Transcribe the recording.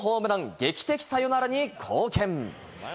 劇的サヨナラに貢献。